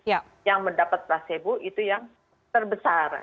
yang mendapat placebo itu yang terbesar